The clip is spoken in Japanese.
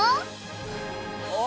お！